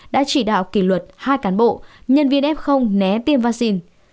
đã chỉ đạo kỷ luật hai cán bộ nhân viên f né tiêm vaccine